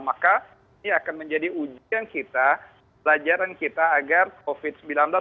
maka ini akan menjadi ujian kita pelajaran kita agar covid sembilan belas akan berjalan dengan baik